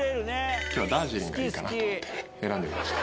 ダージリンがいいかなと思って選んでみました。